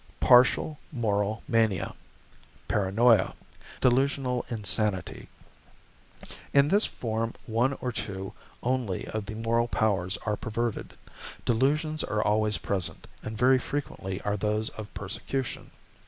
=Partial Moral Mania Paranoia Delusional Insanity.= In this form one or two only of the moral powers are perverted. Delusions are always present, and very frequently are those of persecution.